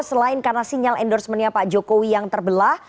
selain karena sinyal endorsement nya pak jokowi yang terbelah